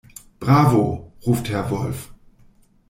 "Bravo!", ruft Herr Wolf.